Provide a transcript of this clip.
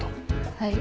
はい。